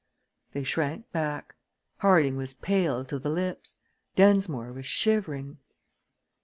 They shrank back. Harding was pale to the lips. Densmore was shivering.